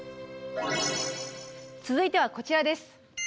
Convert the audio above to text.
続いてはこちらです。